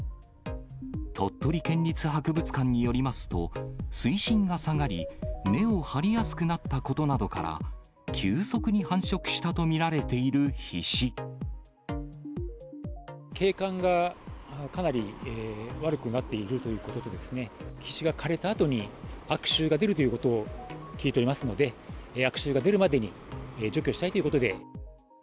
鳥取県立博物館によりますと、水深が下がり、根を張りやすくなったことなどから、急速に繁殖したと見られてい景観がかなり悪くなっているということで、ヒシが枯れたあとに悪臭が出るということを聞いておりますので、悪臭が出るまでに除去したいということで。